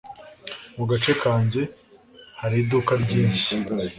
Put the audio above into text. Mu gace kanjye hari iduka ryinshyi.